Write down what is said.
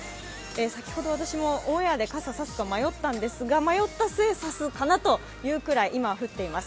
先ほど私もオンエアで傘をさすか迷ったんですが迷った末、差すかなというぐらい今降っています。